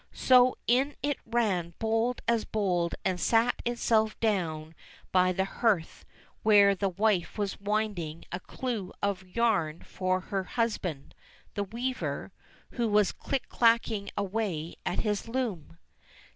So in it ran bold as bold and sate itself down by the hearth where the wife was winding a clue of yarn for her husband, the weaver, who was click clacking away at his loom.